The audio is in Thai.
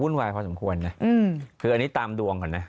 วายพอสมควรนะคืออันนี้ตามดวงก่อนนะ